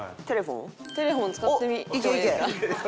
テレフォン使ってみてもいいですか？